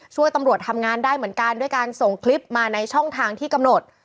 ช่วยตำรวจทำงานได้เหมือนกันด้วยการส่งคลิปมาในช่องทางที่กำหนด